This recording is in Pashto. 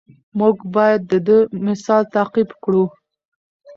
موږ باید د ده مثال تعقیب کړو.